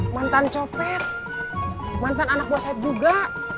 mantan copet mantan anak buset juga